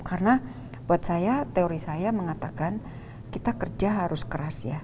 karena buat saya teori saya mengatakan kita kerja harus keras ya